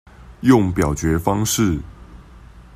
用表決方式